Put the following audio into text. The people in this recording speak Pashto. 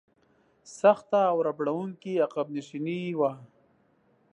سخته او ربړونکې عقب نشیني وه.